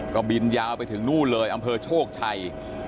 ก็บินยาวไปถึงนู่นเลยอำเภอโชคชัย